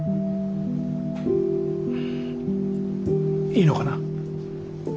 いいのかな？